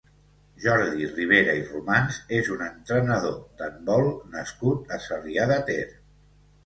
Jordi Ribera i Romans és un entrenador d'handbol nascut a Sarrià de Ter.